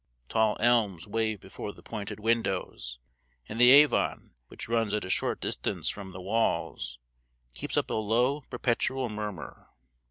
Tall elms wave before the pointed windows, and the Avon, which runs at a short distance from the walls, keeps up a low perpetual murmur.